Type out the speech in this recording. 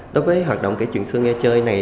đối với hoạt động kể chuyện xưa nghe chơi này